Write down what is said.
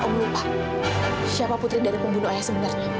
karena om lupa siapa putri dari pembunuh ayah sebenarnya